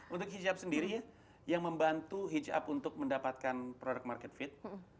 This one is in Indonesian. untuk hitchup sendiri ya yang membantu hitchup untuk mendapatkan product market fit